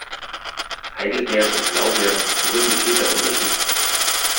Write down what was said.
Heidelbeeren und Blaubeeren - worin besteht der Unterschied?